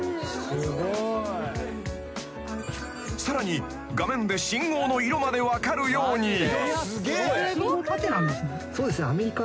［さらに画面で信号の色まで分かるように］